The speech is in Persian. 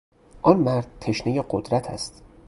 آن مرد تشنهی قدرت است.